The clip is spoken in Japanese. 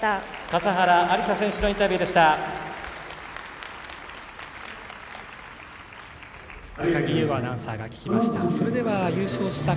笠原有彩選手のインタビューでした。